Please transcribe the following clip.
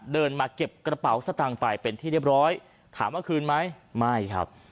เดินมาเก็บกระเป๋าสตางค์ไปเป็นที่เรียบร้อยถามว่าคืนไหมไม่ครับ